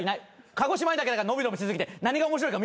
鹿児島にだけだから伸び伸びし過ぎて何が面白いか見失ってる。